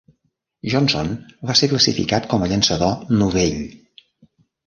Johnson va ser classificat com a llançador novell.